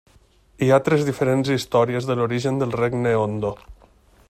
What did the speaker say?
Hi ha tres diferents històries de l'origen del regne Ondo.